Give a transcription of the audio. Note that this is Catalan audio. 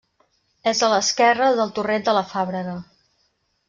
És a l'esquerra del torrent de la Fàbrega.